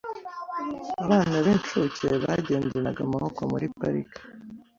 Abana b'incuke bagendanaga amaboko muri parike .